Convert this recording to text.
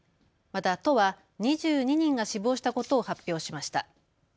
また都は２２人が死亡したことを発表しました。